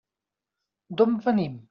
D'on venim?